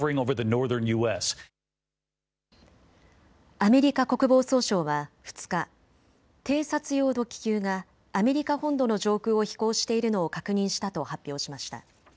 アメリカ国防総省は２日、偵察用の気球がアメリカ本土の上空を飛行しているのを確認したと発表しました。